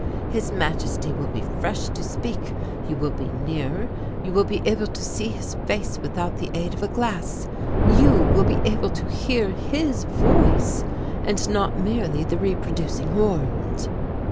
"His Majesty will be fresh to speak; you will be near; you will be able to see His Face without the aid of a glass; you will be able to hear His Voice, and not merely the reproducing horns."